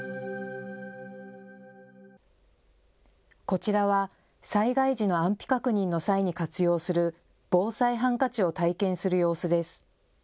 こちらは災害時の安否確認の際に活用する防災ハンカチを体験する様子です。